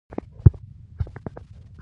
زه د سینما ټکټ اخلم.